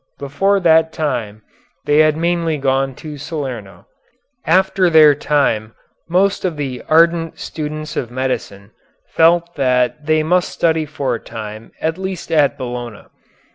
Before that time they had mainly gone to Salerno. After their time most of the ardent students of medicine felt that they must study for a time at least at Bologna.